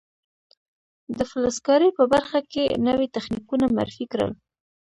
د فلز کارۍ په برخه کې نوي تخنیکونه معرفي کړل.